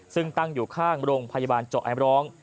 ซึ่งตั้งอยู่ข้างโรงพยาบาลเจาะแอมร้อง